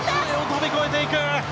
飛び越えていく！